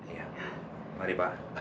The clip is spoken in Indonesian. iya mari pak